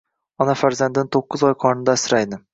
Ona farzandini to‘qqiz oy qornida asraydi.